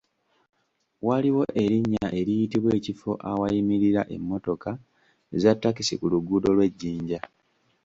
Waliwo erinnya eriyitibwa ekifo awayimirira emmotoka za takisi ku luguudo lw’ejjinja.